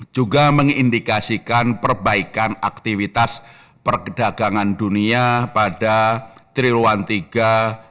juga mengindikasikan perbaikan aktivitas perdagangan dunia pada triluan iii dua ribu dua puluh